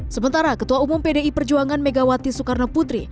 sementara ketua umum pdi perjuangan megawati soekarnoputri